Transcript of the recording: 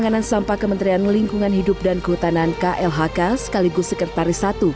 penanganan sampah kementerian lingkungan hidup dan kehutanan klhk sekaligus sekretaris satu